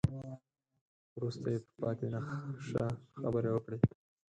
وروسته يې په پاتې نخشه خبرې وکړې.